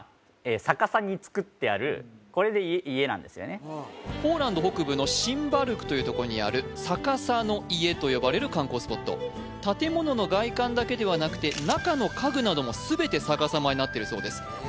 逆さに造ってあるこれで家なんですよねポーランド北部のシンバルクというとこにある「逆さの家」と呼ばれる観光スポット建物の外観だけではなくて中の家具なども全て逆さまになってるそうです